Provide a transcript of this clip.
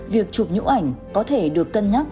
việc chụp nhũ ảnh có thể được cân nhắc